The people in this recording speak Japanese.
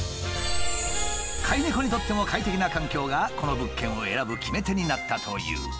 飼い猫にとっても快適な環境がこの物件を選ぶ決め手になったという。